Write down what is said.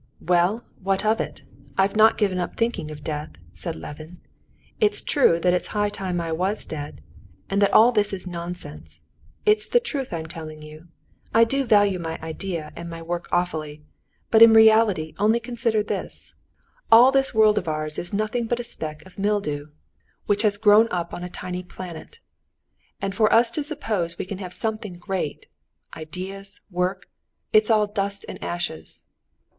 "Well, what of it? I've not given up thinking of death," said Levin. "It's true that it's high time I was dead; and that all this is nonsense. It's the truth I'm telling you. I do value my idea and my work awfully; but in reality only consider this: all this world of ours is nothing but a speck of mildew, which has grown up on a tiny planet. And for us to suppose we can have something great—ideas, work—it's all dust and ashes."